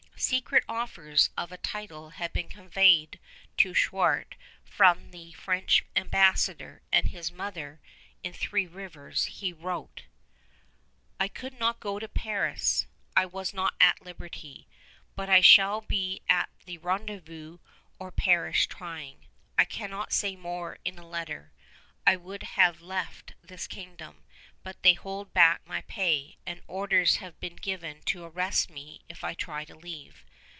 Secret offers of a title had been conveyed to Chouart by the French ambassador; and to his mother in Three Rivers he wrote: I could not go to Paris; I was not at liberty; but I shall be at the rendezvous or perish trying. I cannot say more in a letter. I would have left this kingdom, but they hold back my pay, and orders have been given to arrest me if I try to leave.